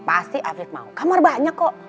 pasti afif mau kamar banyak kok